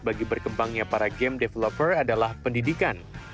bagi berkembangnya para game developer adalah pendidikan